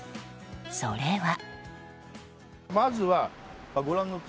それは。